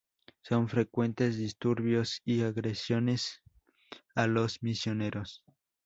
Son frecuentes disturbios y agresiones a los misioneros.